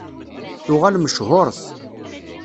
Tuɣal mecḥuṛet.